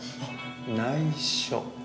内緒。